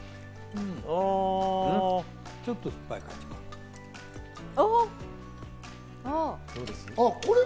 ちょっとすっぱい感じも。